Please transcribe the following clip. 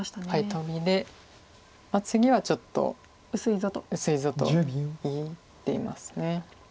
トビで次はちょっと薄いぞと言っています。